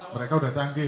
mereka sudah canggih